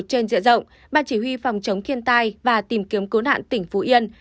trên diện rộng ban chỉ huy phòng chống thiên tai và tìm kiếm cứu nạn tỉnh phú yên